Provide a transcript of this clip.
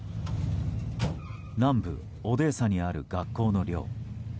南部オデーサにある学校の寮。